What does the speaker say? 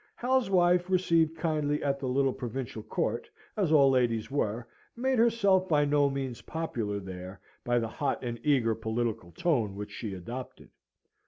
Hal's wife, received kindly at the little provincial court, as all ladies were, made herself by no means popular there by the hot and eager political tone which she adopted.